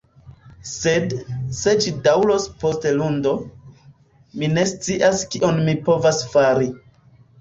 Sed, se ĝi daŭros post Lundo, mi ne scias kion mi povas fari.